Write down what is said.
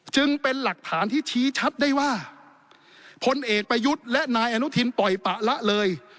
จึงเป็นหลักฐานที่ชี้ชัดได้ว่าพลเอกประยุทธ์และนายอนุทินปล่อยปะละเลย